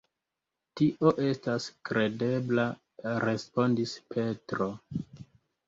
Tio estas kredebla, respondis Petro.